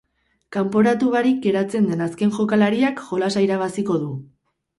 Kanporatu barik geratzen den azken jokalariak jolasa irabaziko du.